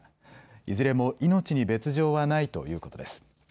いずれも命に別状はないということです。